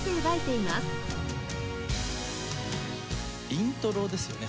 イントロですよね